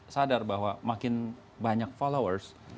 sadar bahwa makin banyak followers